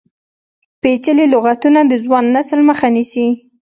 پیچلي لغتونه د ځوان نسل مخه نیسي.